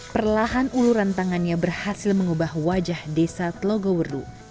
perlahan uluran tangannya berhasil mengubah wajah desa telogowerdu